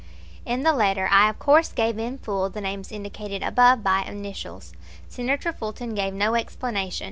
In the letter I of course gave in full the names indicated above by initials. Senator Fulton gave no explanation.